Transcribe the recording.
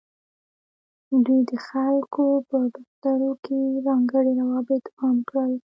دوی د خلکو په بسترو کې ځانګړي روابط عام کړل.